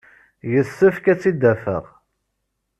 Yessefk ad tt-id-afeɣ.